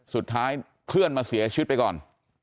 สุดท้ายเพื่อนมาเสียชีวิตไปก่อน